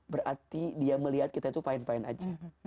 berarti dia melihat kita itu fain fain aja